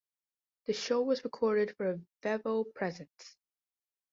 The show was recorded for a Vevo Presents.